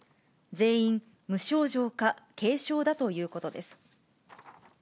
全員、無症状か軽症だということです。